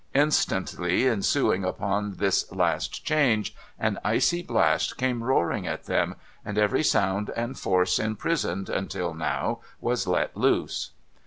Instantly ensuing upon this last change, an icy blast came roaring at them, and every sound and force imprisoned until now was let loose.